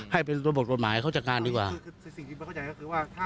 ให้เป็นตัวบทกฎหมายเขาจัดงานดีกว่าสิ่งที่ไม่เข้าใจก็คือว่า